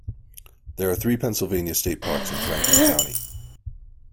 There are three Pennsylvania state parks in Franklin County.